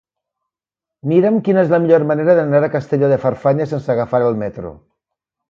Mira'm quina és la millor manera d'anar a Castelló de Farfanya sense agafar el metro.